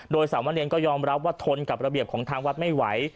โดยสามะเนรก็ยอมรับว่าทนกับระเบียบของทางวัดไม่ไหว